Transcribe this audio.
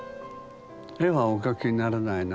絵はお描きにならないの？